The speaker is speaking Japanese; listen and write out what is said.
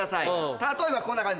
例えばこんな感じ。